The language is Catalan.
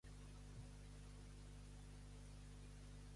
I a l'antiga Convergència?